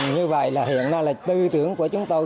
như vậy là hiện nay là tư tưởng của chúng tôi